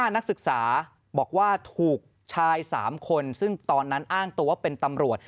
นักศึกษาบอกว่าถูกชาย๓คนซึ่งตอนนั้นอ้างตัวเป็นตำรวจ